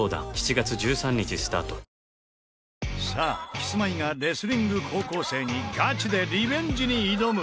キスマイがレスリング高校生にガチでリベンジに挑む！